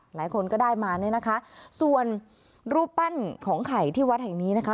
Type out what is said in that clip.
หลายคนก็ได้มาเนี่ยนะคะส่วนรูปปั้นของไข่ที่วัดแห่งนี้นะคะ